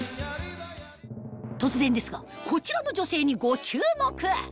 突然ですがこちらの女性にご注目！